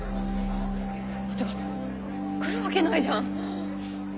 ってか来るわけないじゃん。